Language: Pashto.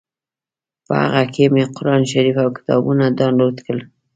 په هغه کې مې قران شریف او کتابونه ډاونلوډ کړل.